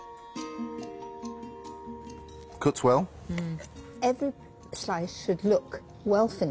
うん。